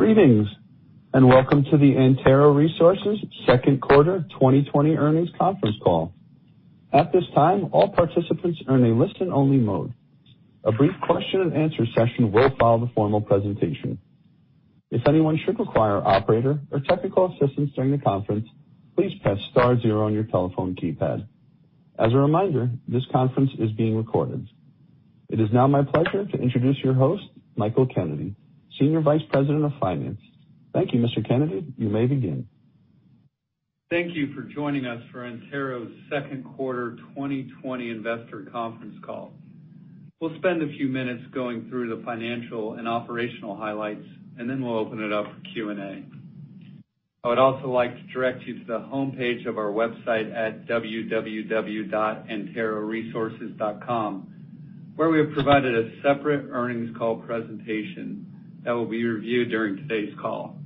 Greetings, and welcome to the Antero Resources second quarter 2020 earnings conference call. At this time, all participants are in a listen-only mode. A brief question-and-answer session will follow the formal presentation. If anyone should require operator or technical assistance during the conference, please press star zero on your telephone keypad. As a reminder, this conference is being recorded. It is now my pleasure to introduce your host, Michael Kennedy, Senior Vice President of Finance. Thank you, Mr. Kennedy. You may begin. Thank you for joining us for Antero's second quarter 2020 investor conference call. We'll spend a few minutes going through the financial and operational highlights, and then we'll open it up for Q&A. I would also like to direct you to the homepage of our website at www.anteroresources.com, where we have provided a separate earnings call presentation that will be reviewed during today's call.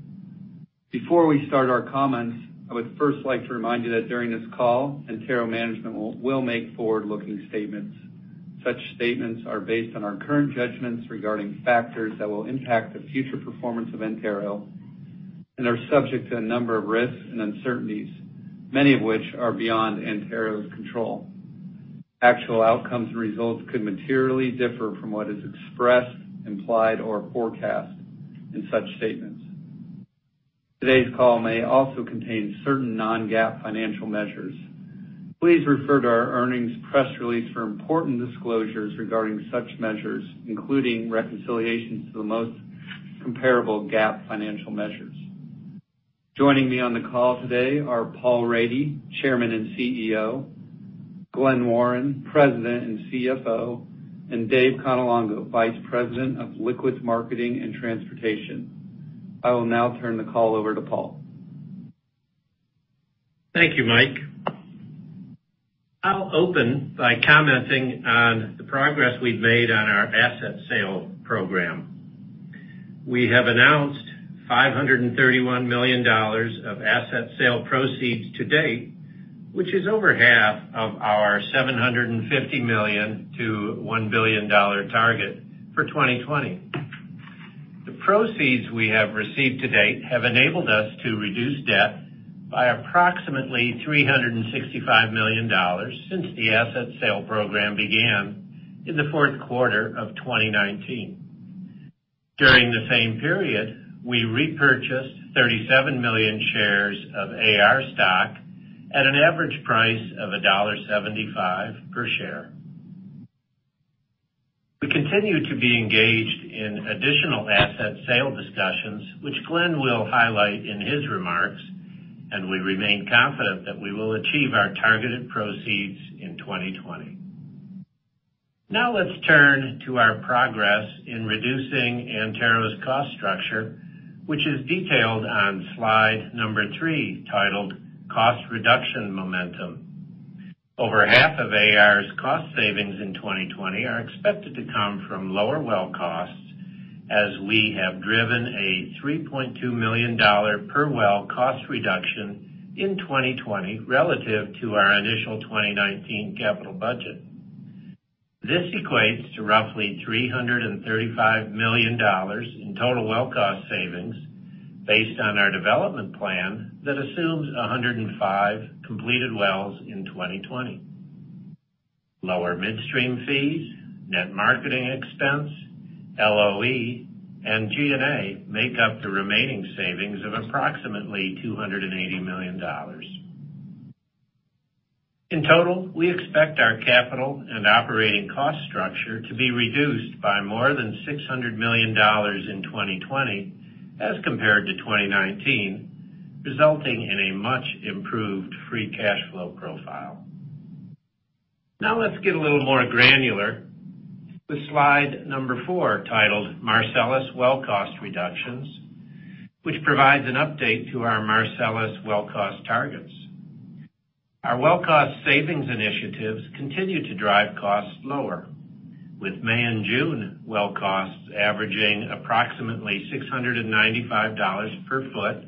Before we start our comments, I would first like to remind you that during this call, Antero management will make forward-looking statements. Such statements are based on our current judgments regarding factors that will impact the future performance of Antero and are subject to a number of risks and uncertainties, many of which are beyond Antero's control. Actual outcomes and results could materially differ from what is expressed, implied, or forecast in such statements. Today's call may also contain certain non-GAAP financial measures. Please refer to our earnings press release for important disclosures regarding such measures, including reconciliations to the most comparable GAAP financial measures. Joining me on the call today are Paul Rady, Chairman and CEO, Glen Warren, President and CFO, and Dave Cannelongo, Vice President of Liquids Marketing and Transportation. I will now turn the call over to Paul. Thank you, Mike. I'll open by commenting on the progress we've made on our asset sale program. We have announced $531 million of asset sale proceeds to date, which is over 1/2 of our $750 million-$1 billion target for 2020. The proceeds we have received to date have enabled us to reduce debt by approximately $365 million since the asset sale program began in the fourth quarter of 2019. During the same period, we repurchased 37 million shares of AR stock at an average price of $1.75 per share. We continue to be engaged in additional asset sale discussions, which Glen will highlight in his remarks. We remain confident that we will achieve our targeted proceeds in 2020. Now let's turn to our progress in reducing Antero Resources' cost structure, which is detailed on slide number three, titled Cost Reduction Momentum. Over half of AR's cost savings in 2020 are expected to come from lower well costs as we have driven a $3.2 million per well cost reduction in 2020 relative to our initial 2019 capital budget. This equates to roughly $335 million in total well cost savings based on our development plan that assumes 105 completed wells in 2020. Lower midstream fees, net marketing expense, LOE, and G&A make up the remaining savings of approximately $280 million. In total, we expect our capital and operating cost structure to be reduced by more than $600 million in 2020 as compared to 2019, resulting in a much improved free cash flow profile. Now let's get a little more granular with slide number four, titled Marcellus Well Cost Reductions, which provides an update to our Marcellus well cost targets. Our well cost savings initiatives continue to drive costs lower, with May and June well costs averaging approximately $695 per foot,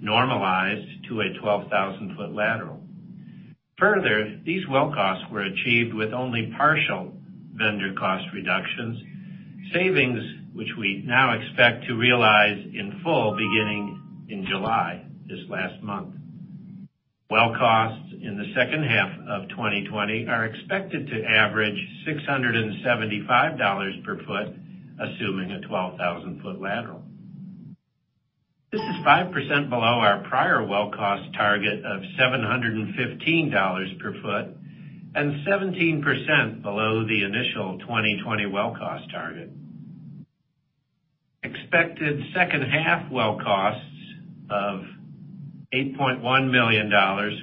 normalized to a 12,000 ft lateral. Further, these well costs were achieved with only partial vendor cost reductions, savings which we now expect to realize in full beginning in July this last month. Well costs in the second half of 2020 are expected to average $675 per foot, assuming a 12,000 ft lateral. This is 5% below our prior well cost target of $715 per foot and 17% below the initial 2020 well cost target. Expected second-half well costs of $8.1 million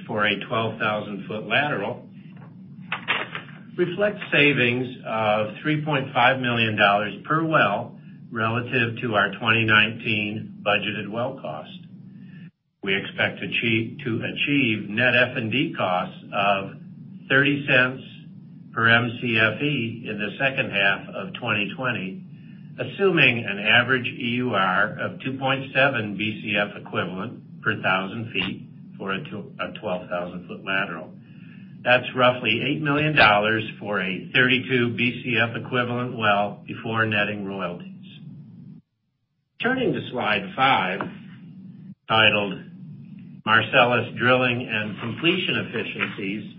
for a 12,000 ft lateral reflect savings of $3.5 million per well relative to our 2019 budgeted well cost. We expect to achieve net F&D costs of $0.30 per Mcfe in the second half of 2020, assuming an average EUR of 2.7 Bcf equivalent per 1,000 feet for a 12,000 ft lateral. That's roughly $8 million for a 32 Bcf equivalent well before netting royalties. Turning to slide five, titled Marcellus Drilling and Completion Efficiencies,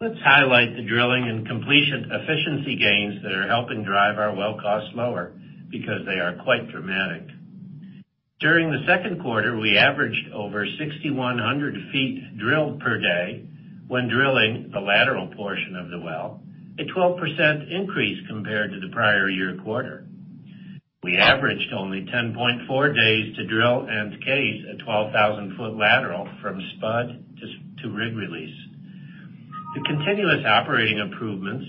let's highlight the drilling and completion efficiency gains that are helping drive our well costs lower, because they are quite dramatic. During the second quarter, we averaged over 6,100 feet drilled per day when drilling the lateral portion of the well, a 12% increase compared to the prior year quarter. We averaged only 10.4 days to drill and case a 12,000 ft lateral from spud to rig release. The continuous operating improvements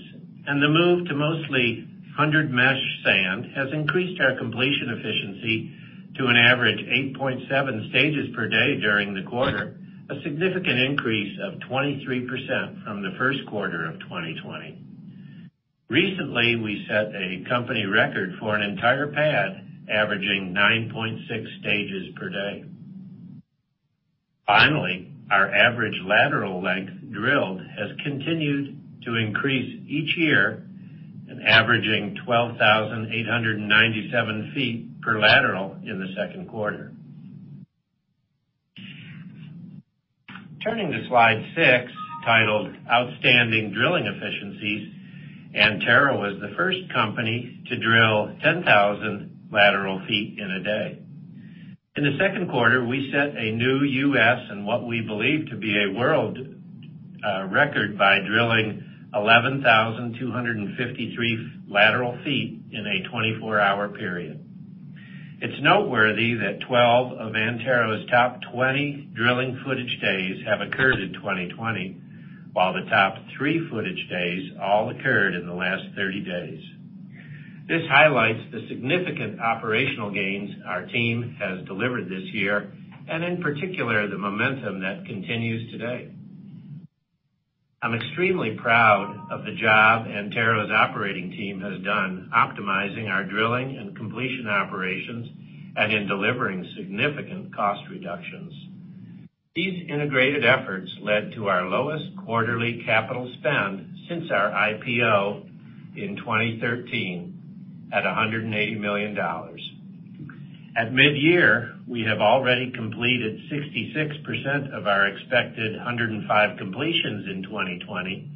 and the move to mostly 100 mesh sand has increased our completion efficiency to an average 8.7 stages per day during the quarter, a significant increase of 23% from the first quarter of 2020. Recently, we set a company record for an entire pad, averaging 9.6 stages per day. Finally, our average lateral length drilled has continued to increase each year and averaging 12,897 ft per lateral in the second quarter. Turning to slide six, titled Outstanding Drilling Efficiencies, Antero was the first company to drill 10,000 lateral feet in a day. In the second quarter, we set a new U.S., and what we believe to be a world record, by drilling 11,253 lateral feet in a 24 hour period. It's noteworthy that 12 of Antero's top three footage days have occurred in 2020, while the top three footage days all occurred in the last 30 days. This highlights the significant operational gains our team has delivered this year, and in particular, the momentum that continues today. I'm extremely proud of the job Antero's operating team has done optimizing our drilling and completion operations and in delivering significant cost reductions. These integrated efforts led to our lowest quarterly capital spend since our IPO in 2013, at $180 million. At midyear, we have already completed 66% of our expected 105 completions in 2020,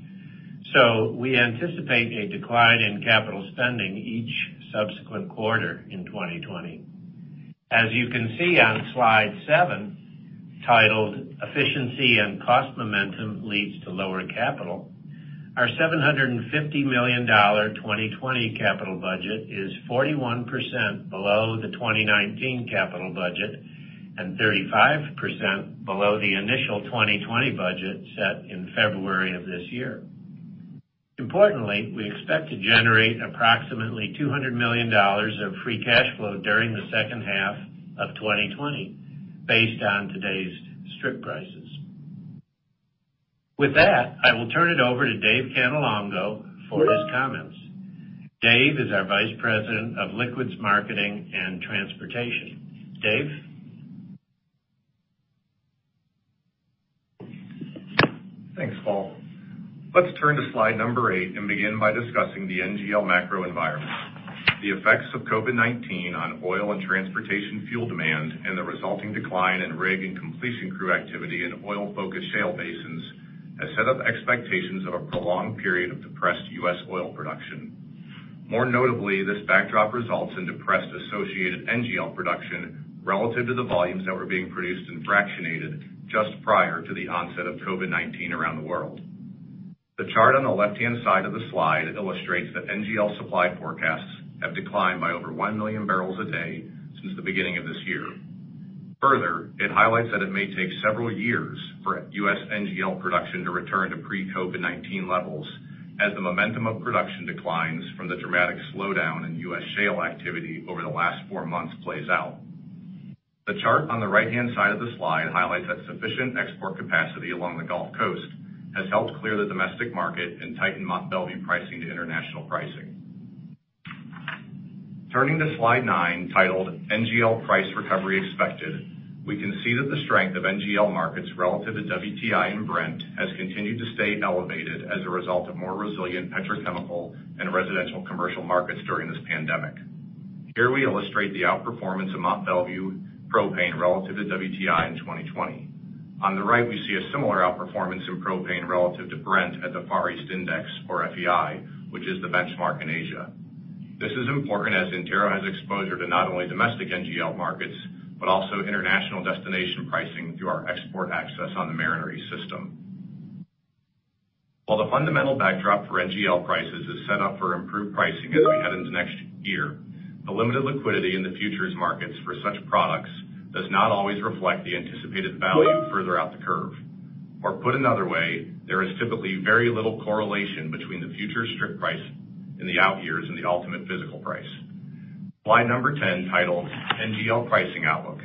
so we anticipate a decline in capital spending each subsequent quarter in 2020. As you can see on slide seven, titled Efficiency and Cost Momentum Leads to Lower Capital, our $750 million 2020 capital budget is 41% below the 2019 capital budget and 35% below the initial 2020 budget set in February of this year. Importantly, we expect to generate approximately $200 million of free cash flow during the second half of 2020, based on today's strip prices. With that, I will turn it over to Dave Cannelongo for his comments. Dave is our Vice President of Liquids Marketing and Transportation. Dave? Thanks, Paul. Let's turn to slide number eight and begin by discussing the NGL macro environment. The effects of COVID-19 on oil and transportation fuel demand and the resulting decline in rig and completion crew activity in oil-focused shale basins has set up expectations of a prolonged period of depressed U.S. oil production. More notably, this backdrop results in depressed associated NGL production relative to the volumes that were being produced and fractionated just prior to the onset of COVID-19 around the world. The chart on the left-hand side of the slide illustrates that NGL supply forecasts have declined by over 1 million barrels a day since the beginning of this year. Further, it highlights that it may take several years for U.S. NGL production to return to pre-COVID-19 levels as the momentum of production declines from the dramatic slowdown in U.S. shale activity over the last four months plays out. The chart on the right-hand side of the slide highlights that sufficient export capacity along the Gulf Coast has helped clear the domestic market and tightened Mont Belvieu pricing to international pricing. Turning to slide nine, titled NGL Price Recovery Expected, we can see that the strength of NGL markets relative to WTI and Brent has continued to stay elevated as a result of more resilient petrochemical and residential commercial markets during this pandemic. Here we illustrate the outperformance of Mont Belvieu propane relative to WTI in 2020. On the right, we see a similar outperformance in propane relative to Brent at the Far East Index, or FEI, which is the benchmark in Asia. This is important as Antero has exposure to not only domestic NGL markets, but also international destination pricing through our export access on the Mariner East system. While the fundamental backdrop for NGL prices is set up for improved pricing as we head into next year, the limited liquidity in the futures markets for such products does not always reflect the anticipated value further out the curve. Put another way, there is typically very little correlation between the future strip price in the out years and the ultimate physical price. Slide number 10, titled NGL Pricing Outlook,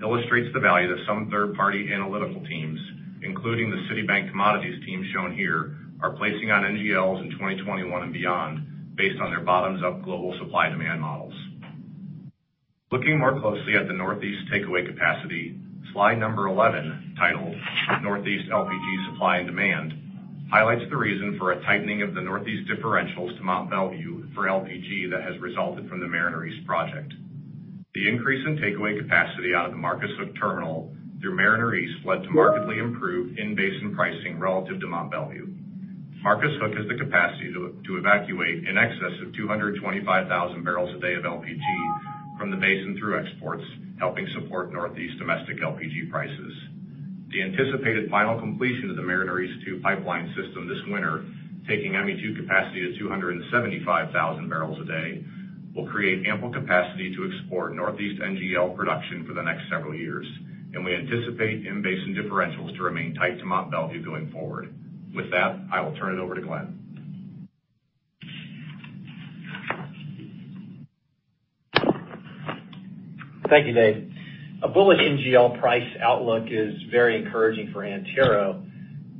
illustrates the value that some third-party analytical teams, including the Citi Commodities team shown here, are placing on NGLs in 2021 and beyond based on their bottoms-up global supply-demand models. Looking more closely at the Northeast takeaway capacity, slide number 11, titled Northeast LPG Supply and Demand, highlights the reason for a tightening of the Northeast differentials to Mont Belvieu for LPG that has resulted from the Mariner East project. The increase in takeaway capacity out of the Marcus Hook terminal through Mariner East led to markedly improved in-basin pricing relative to Mont Belvieu. Marcus Hook has the capacity to evacuate in excess of 225,000 barrels a day of LPG from the basin through exports, helping support Northeast domestic LPG prices. The anticipated final completion of the Mariner East 2 pipeline system this winter, taking ME2 capacity to 275,000 barrels a day, will create ample capacity to export Northeast NGL production for the next several years, and we anticipate in-basin differentials to remain tight to Mont Belvieu going forward. With that, I will turn it over to Glen. Thank you, Dave. A bullish NGL price outlook is very encouraging for Antero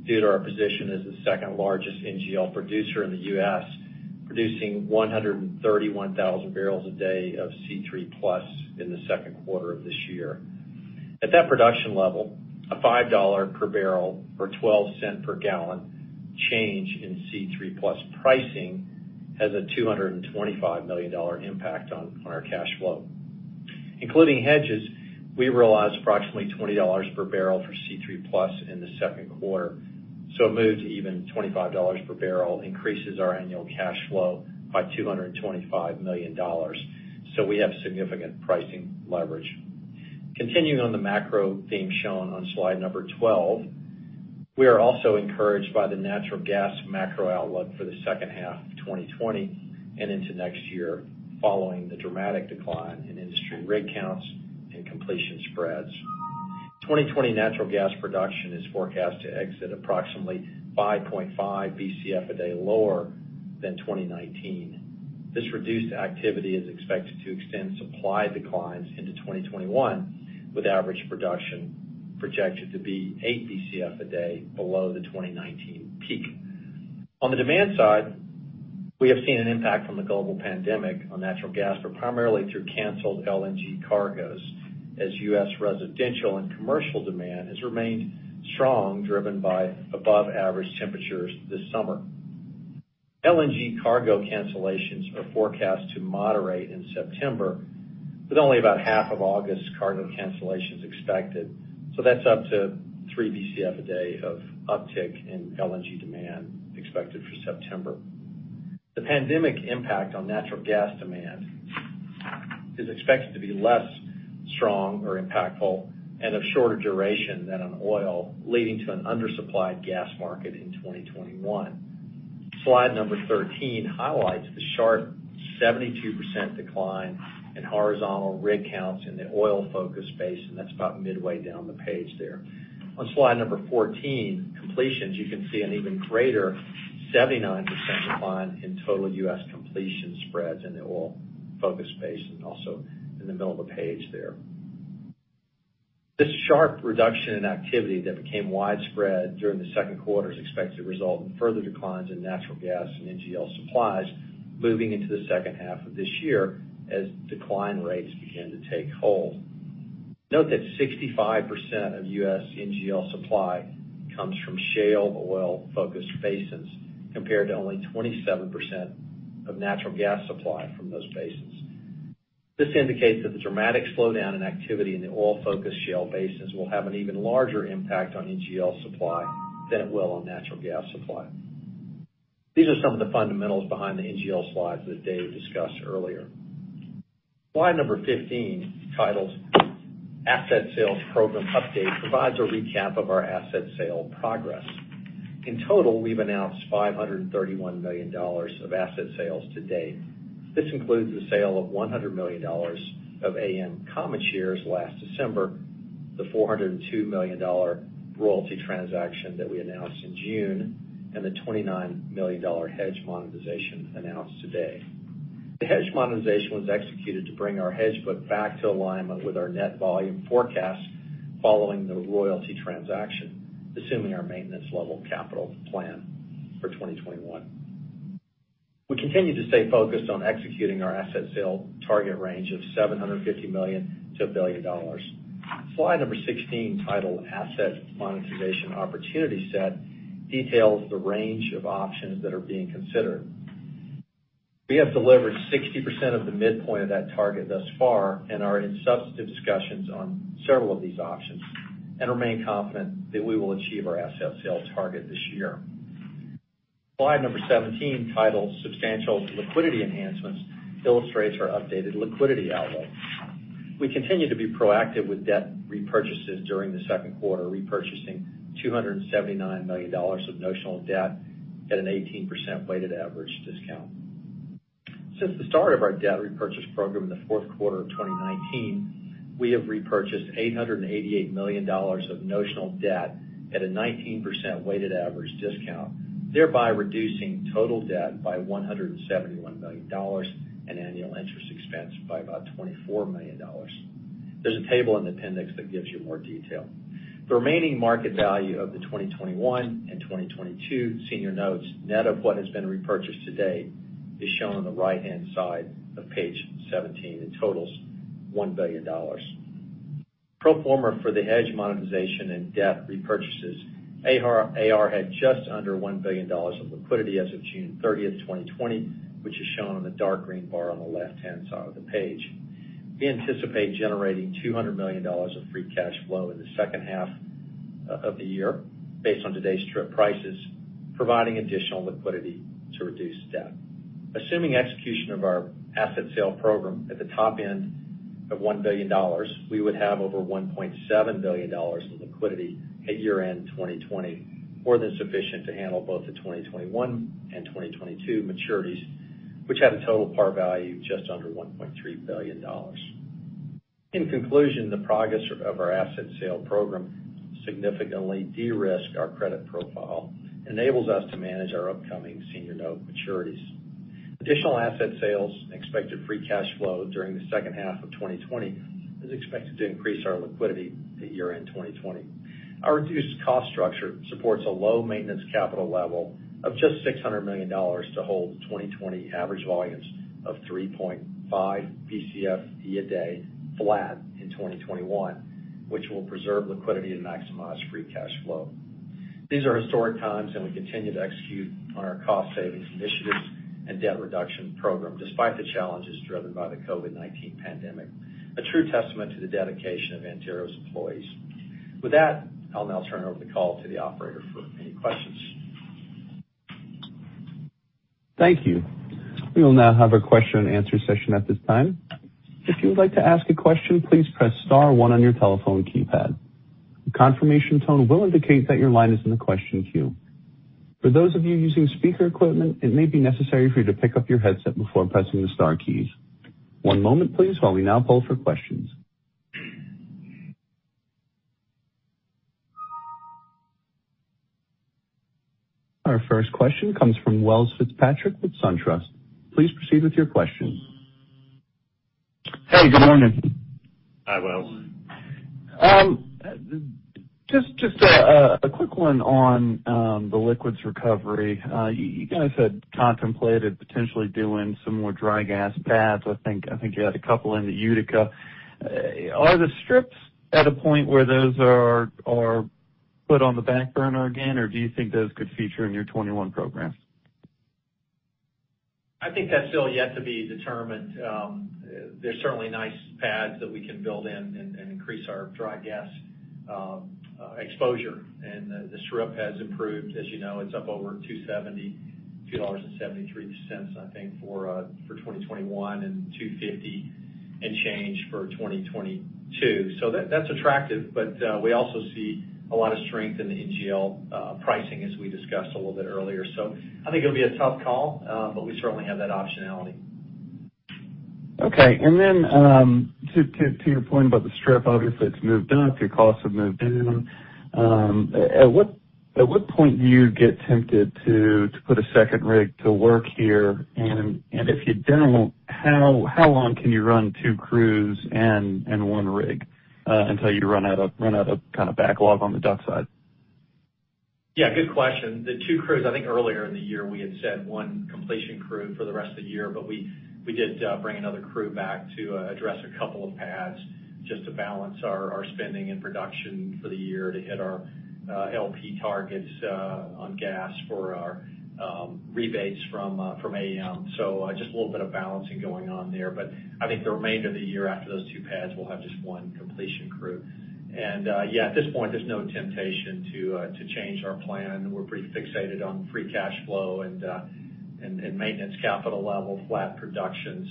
due to our position as the second-largest NGL producer in the U.S., producing 131,000 barrels a day of C3+ in the second quarter of this year. At that production level, a $5 per barrel or $0.12 per gallon change in C3+ pricing has a $225 million impact on our cash flow. Including hedges, we realized approximately $20 per barrel for C3+ in the second quarter, a move to even $25 per barrel increases our annual cash flow by $225 million. We have significant pricing leverage. Continuing on the macro theme shown on slide number 12, we are also encouraged by the natural gas macro outlook for the second half of 2020 and into next year following the dramatic decline in industry rig counts and completion spreads. 2020 natural gas production is forecast to exit approximately 5.5 Bcf a day lower than 2019. This reduced activity is expected to extend supply declines into 2021, with average production projected to be eight Bcf a day below the 2019 peak. On the demand side, we have seen an impact from the global pandemic on natural gas, but primarily through canceled LNG cargoes, as U.S. residential and commercial demand has remained strong, driven by above-average temperatures this summer. LNG cargo cancellations are forecast to moderate in September, with only about half of August's cargo cancellations expected, so that's up to three Bcf a day of uptick in LNG demand expected for September. The pandemic impact on natural gas demand is expected to be less strong or impactful and of shorter duration than on oil, leading to an undersupplied gas market in 2021. Slide number 13 highlights the sharp 72% decline in horizontal rig counts in the oil-focused basin. That's about midway down the page there. On slide number 14, Completions, you can see an even greater 79% decline in total U.S. completion spreads in the oil-focused basin, also in the middle of the page there. This sharp reduction in activity that became widespread during the second quarter is expected to result in further declines in natural gas and NGL supplies moving into the second half of this year as decline rates begin to take hold. Note that 65% of U.S. NGL supply comes from shale oil-focused basins, compared to only 27% of natural gas supply from those basins. This indicates that the dramatic slowdown in activity in the oil-focused shale basins will have an even larger impact on NGL supply than it will on natural gas supply. These are some of the fundamentals behind the NGL slides that Dave discussed earlier. Slide number 15, titled Asset Sales Program Update, provides a recap of our asset sale progress. In total, we've announced $531 million of asset sales to date. This includes the sale of $100 million of AM common shares last December, the $402 million royalty transaction that we announced in June, and the $29 million hedge monetization announced today. The hedge monetization was executed to bring our hedge book back to alignment with our net volume forecast following the royalty transaction, assuming our maintenance level capital plan for 2021. We continue to stay focused on executing our asset sale target range of $750 million-$1 billion. Slide number 16, titled Asset Monetization Opportunity Set, details the range of options that are being considered. We have delivered 60% of the midpoint of that target thus far and are in substantive discussions on several of these options and remain confident that we will achieve our asset sale target this year. Slide number 17, titled Substantial Liquidity Enhancements, illustrates our updated liquidity outlook. We continue to be proactive with debt repurchases during the second quarter, repurchasing $279 million of notional debt at an 18% weighted average discount. Since the start of our debt repurchase program in the fourth quarter of 2019, we have repurchased $888 million of notional debt at a 19% weighted average discount, thereby reducing total debt by $171 million and annual interest expense by about $24 million. There's a table in the appendix that gives you more detail. The remaining market value of the 2021 and 2022 senior notes, net of what has been repurchased to date, is shown on the right-hand side of page 17 and totals $1 billion. Pro forma for the hedge monetization and debt repurchases, AR had just under $1 billion of liquidity as of June 30th, 2020, which is shown on the dark green bar on the left-hand side of the page. We anticipate generating $200 million of free cash flow in the second half of the year based on today's strip prices, providing additional liquidity to reduce debt. Assuming execution of our asset sale program at the top end of $1 billion, we would have over $1.7 billion in liquidity at year-end 2020, more than sufficient to handle both the 2021 and 2022 maturities, which have a total par value just under $1.3 billion. In conclusion, the progress of our asset sale program significantly de-risks our credit profile and enables us to manage our upcoming senior note maturities. Additional asset sales and expected free cash flow during the second half of 2020 is expected to increase our liquidity at year-end 2020. Our reduced cost structure supports a low maintenance capital level of just $600 million to hold 2020 average volumes of 3.5 Bcf a day flat in 2021, which will preserve liquidity and maximize free cash flow. These are historic times, and we continue to execute on our cost savings initiatives and debt reduction program despite the challenges driven by the COVID-19 pandemic. A true testament to the dedication of Antero's employees. With that, I'll now turn over the call to the Operator for any questions. Thank you. We will now have our question-and-answer session at this time. If you would like to ask a question, please press star one on your telephone keypad. A confirmation tone will indicate that your line is in the question queue. For those of you using speaker equipment, it may be necessary for you to pick up your headset before pressing the star keys. One moment, please, while we now poll for questions. Our first question comes from Welles Fitzpatrick with SunTrust. Please proceed with your question. Hey, good morning. Hi, Welles. Just a quick one on the liquids recovery. You guys had contemplated potentially doing some more dry gas pads. I think you had a couple in the Utica. Are the strips at a point where those are put on the back burner again, or do you think those could feature in your 2021 program? I think that's still yet to be determined. There's certainly nice pads that we can build in and increase our dry gas exposure. The strip has improved. As you know, it's up over $2.73, I think, for 2021, and $2.50 and change for 2022. That's attractive, but we also see a lot of strength in the NGL pricing, as we discussed a little bit earlier. I think it'll be a tough call, but we certainly have that optionality. Okay. To your point about the strip, obviously it's moved up, your costs have moved down. At what point do you get tempted to put a second rig to work here? If you don't, how long can you run two crews and one rig until you run out of backlog on the dock side? Yeah, good question. The two crews, I think earlier in the year, we had said one completion crew for the rest of the year, but we did bring another crew back to address a couple of pads just to balance our spending and production for the year to hit our LP targets on gas for our rebates from AM. Just a little bit of balancing going on there. I think the remainder of the year after those two pads will have just one completion crew. Yeah, at this point, there's no temptation to change our plan. We're pretty fixated on free cash flow and maintenance capital level flat production.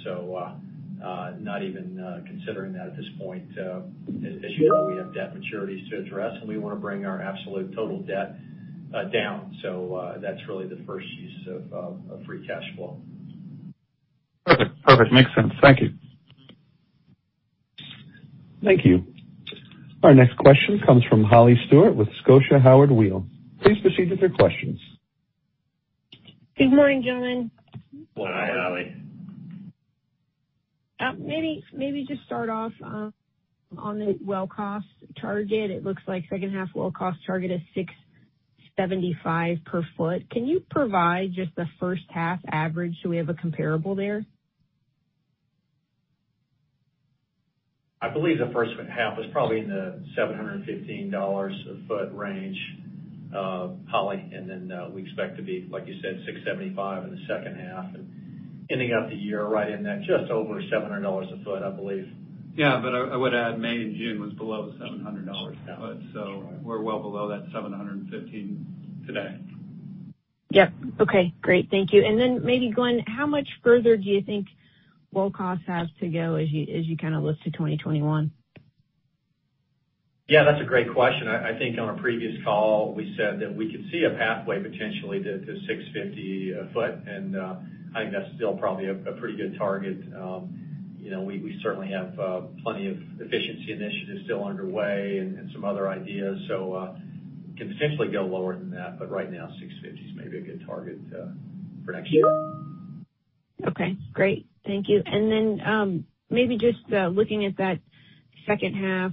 Not even considering that at this point. As you know, we have debt maturities to address, and we want to bring our absolute total debt down. That's really the first use of free cash flow. Perfect. Makes sense. Thank you. Thank you. Our next question comes from Holly Stewart with Scotiabank Howard Weil. Please proceed with your questions. Good morning, gentlemen. Good morning, Holly. Maybe just start off on the well cost target. It looks like second half well cost target is $675 per foot. Can you provide just the first half average so we have a comparable there? I believe the first half was probably in the $715 a foot range, Holly. Then we expect to be, like you said, $675 in the second half and ending out the year right in that just over $700 a foot, I believe. I would add May and June was below $700 a foot. We're well below that $715 today. Yep. Okay, great. Thank you. Then maybe, Glenn, how much further do you think well cost has to go as you look to 2021? Yeah, that's a great question. I think on a previous call, we said that we could see a pathway potentially to $650 a foot, and I think that's still probably a pretty good target. We certainly have plenty of efficiency initiatives still underway and some other ideas, so can potentially go lower than that. Right now, $650 is maybe a good target for next year. Okay, great. Thank you. Maybe just looking at that second half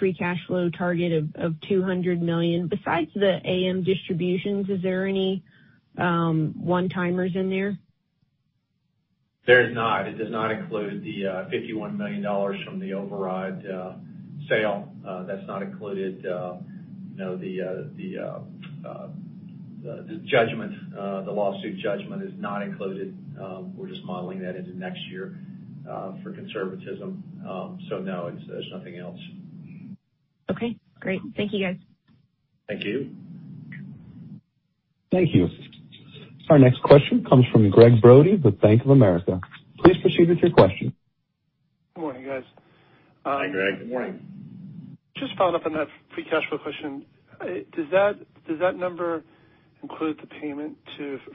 free cash flow target of $200 million. Besides the AM distributions, is there any one-timers in there? There's not. It does not include the $51 million from the override sale. That's not included. The lawsuit judgment is not included. We're just modeling that into next year for conservatism. No, there's nothing else. Okay, great. Thank you, guys. Thank you. Thank you. Our next question comes from Gregg Brody with Bank of America. Please proceed with your question. Good morning, guys. Hi, Gregg. Good morning. Just following up on that free cash flow question. Does that number include the payment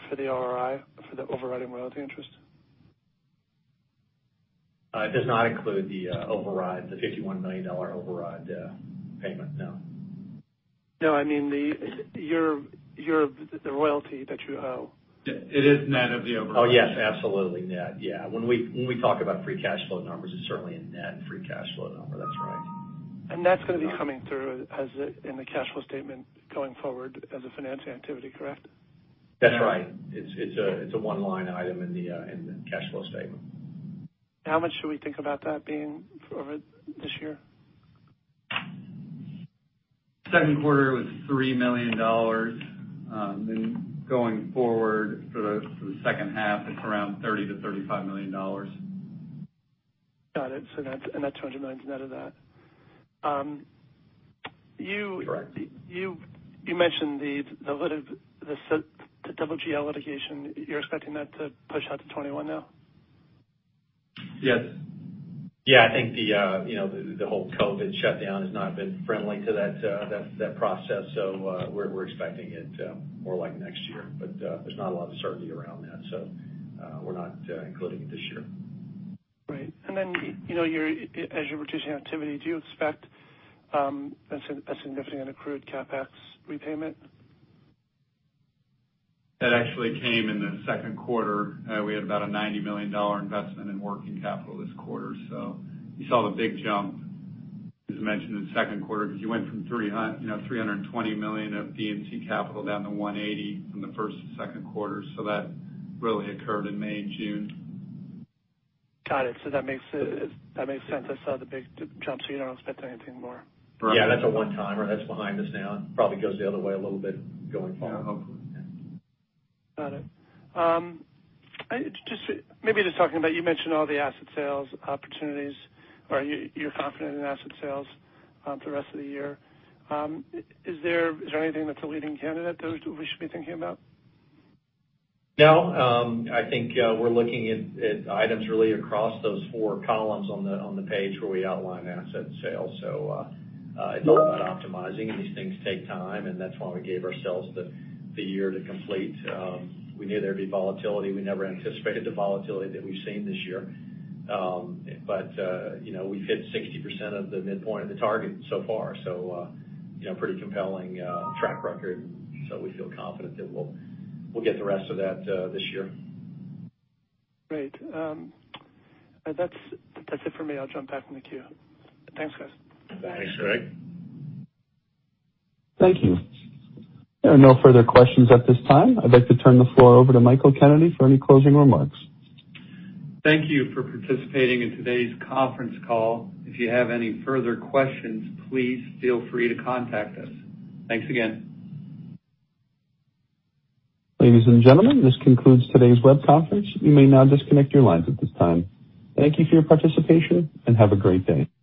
for the ORI, for the overriding royalty interest? It does not include the $51 million override payment, no. No, I mean the royalty that you owe. It is net of the override. Oh, yes, absolutely net. Yeah. When we talk about free cash flow numbers, it's certainly a net free cash flow number. That's right. That's going to be coming through in the cash flow statement going forward as a financing activity, correct? That's right. It's a one-line item in the cash flow statement. How much should we think about that being forward this year? Second quarter, it was $3 million. Going forward for the second half, it's around $30 million-$35 million. Got it. That $200 million is net of that. Correct. You mentioned the litigation. You're expecting that to push out to 2021 now? Yes. I think the whole COVID shutdown has not been friendly to that process. We're expecting it more like next year. There's not a lot of certainty around that, so we're not including it this year. Great. As you're reducing activity, do you expect a significant accrued CapEx repayment? That actually came in the second quarter. We had about a $90 million investment in working capital this quarter. You saw the big jump, as mentioned in the second quarter, because you went from $320 million of D&C capital down to $180 from the first to second quarter. That really occurred in May and June. Got it. That makes sense. I saw the big jump. You don't expect anything more. Yeah, that's a one-timer. That's behind us now. Probably goes the other way a little bit going forward. Yeah, hopefully. Got it. Maybe just talking about, you mentioned all the asset sales opportunities, or you're confident in asset sales for the rest of the year. Is there anything that's a leading candidate that we should be thinking about? I think we're looking at items really across those four columns on the page where we outline asset sales. It's all about optimizing, and these things take time, and that's why we gave ourselves the year to complete. We knew there'd be volatility. We never anticipated the volatility that we've seen this year. We've hit 60% of the midpoint of the target so far. Pretty compelling track record. We feel confident that we'll get the rest of that this year. Great. That's it for me. I'll jump back in the queue. Thanks, guys. Thanks, Gregg. Thank you. There are no further questions at this time. I'd like to turn the floor over to Michael Kennedy for any closing remarks. Thank you for participating in today's conference call. If you have any further questions, please feel free to contact us. Thanks again. Ladies and gentlemen, this concludes today's web conference. You may now disconnect your lines at this time. Thank you for your participation, and have a great day.